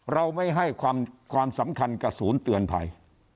เราไม่ให้ความสำคัญกับศูนย์เตือนภัย